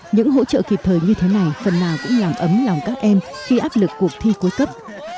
những hỗ trợ kịp thời như thế này phần nào cũng làm ấm lòng các em khi áp lực cuộc thi cuối cấp